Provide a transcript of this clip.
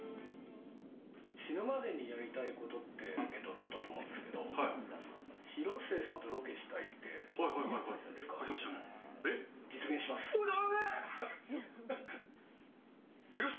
死ぬまでにやりたいことってアンケート取ったと思うんですけど、広末さんとロケしたいって。